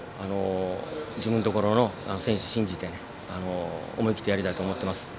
自分のところの選手を信じて思い切ってやりたいと思います。